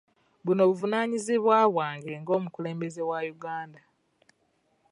Buno buvunaanyizibwa bwange ng'omukulembeze wa Uganda